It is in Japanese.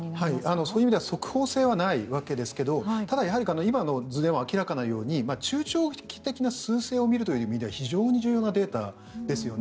そういう意味では速報性はないわけですがただ、やはり今の図でも明らかなように中長期的なすう勢を見るという意味では非常に重要なデータですよね。